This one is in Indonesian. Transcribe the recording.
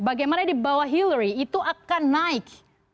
bagaimana di bawah hillary itu akan naik